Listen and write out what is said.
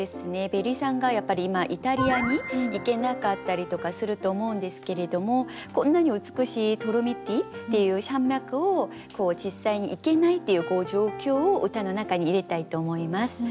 ベリさんがやっぱり今イタリアに行けなかったりとかすると思うんですけれどもこんなに美しいドロミティっていう山脈を実際に行けないっていう状況を歌の中に入れたいと思います。